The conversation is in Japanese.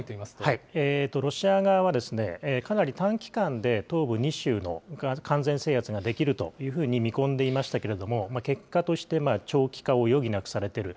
ロシア側は、かなり短期間で、東部２州の完全制圧ができるというように見込んでいましたけれども、結果として長期化を余儀なくされている。